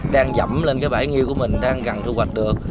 đang dẫm lên cái bãi nghiêu của mình đang gần thu hoạch được